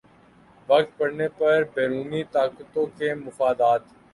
وقت پڑنے پر بیرونی طاقتوں کے مفادات